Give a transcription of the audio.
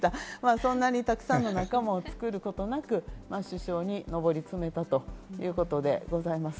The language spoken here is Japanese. そんなにたくさんの仲間を作ることなく、首相にのぼりつめたということでございます。